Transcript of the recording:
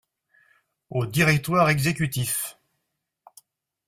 Au directoire exécutif.